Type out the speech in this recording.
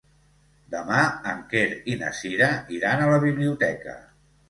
Demà en Quer i na Cira iran a la biblioteca.